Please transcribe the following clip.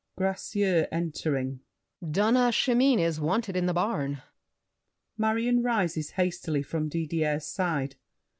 GRACIEUX (entering). Dona Chimène is wanted in the barn. [Marion rises hastily from Didier's side.